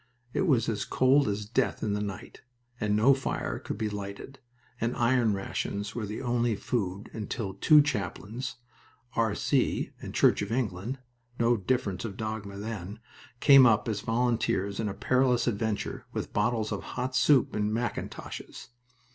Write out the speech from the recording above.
It was as cold as death in the night, and no fire could be lighted, and iron rations were the only food, until two chaplains, "R. C." and Church of England (no difference of dogma then), came up as volunteers in a perilous adventure, with bottles of hot soup in mackintoshes.